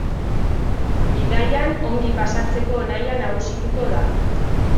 Bidaian ongi pasatzeko nahia nagusituko da.